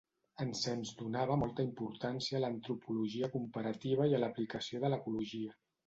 Ensems donava molta importància a l'antropologia comparativa i a l'aplicació de l'ecologia.